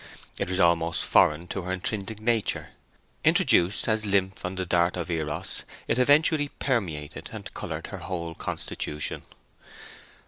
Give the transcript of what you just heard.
It was almost foreign to her intrinsic nature. Introduced as lymph on the dart of Eros, it eventually permeated and coloured her whole constitution.